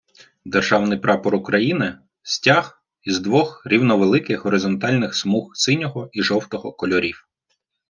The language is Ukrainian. Державний Прапор України - стяг із двох рівновеликих горизонтальних смуг синього і жовтого кольорів.